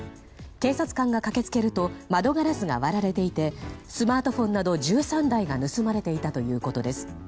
警察官が駆け付けると窓ガラスが割られていてスマートフォンなど１３台が盗まれていたということです。